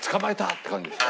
って感じでした。